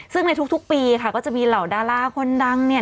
ซึ่งในทุกปีค่ะก็จะมีเหล่าดาราคนดังเนี่ย